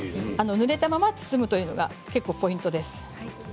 ぬれたまま包むというのが結構ポイントです。